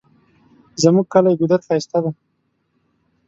زمونږ کلی ګودر ښایسته ده